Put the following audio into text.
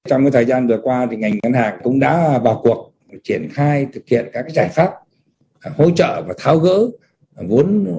trong thời gian vừa qua ngành ngân hàng cũng đã vào cuộc triển khai thực hiện các giải pháp hỗ trợ và tháo gỡ vốn